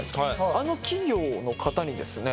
あの企業の方にですね